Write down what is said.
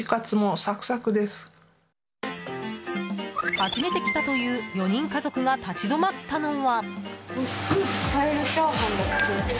初めて来たという４人家族が立ち止まったのは。